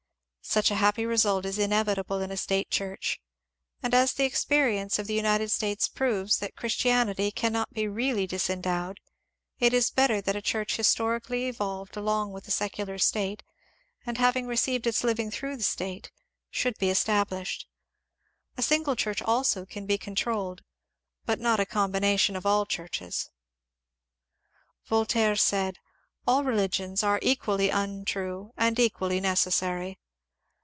Such a happy result is inevitable in a State Church. And as the experience of the United States proves that Christian ity cannot be really disendowed, it is better that a Church historically evolved along with the secular State, and receiving its living through the State, should be established. A single Church also can be controlled, but not a combination of all Churches. Voltaire said, ^' AH religions are equally untrue and equally necessary."